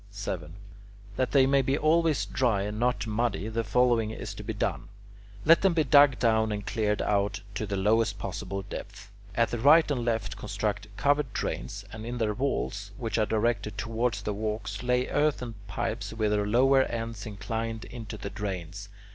7. That they may be always dry and not muddy, the following is to be done. Let them be dug down and cleared out to the lowest possible depth. At the right and left construct covered drains, and in their walls, which are directed towards the walks, lay earthen pipes with their lower ends inclined into the drains.